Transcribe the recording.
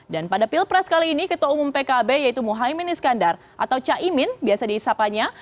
dan pada pilpres kali ini ketua umum pkb yaitu muhaimin iskandar atau caimin biasa diisapannya